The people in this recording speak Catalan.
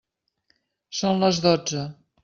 Són les dotze.